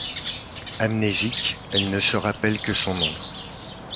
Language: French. Amnésique, elle ne se rappelle que son nom.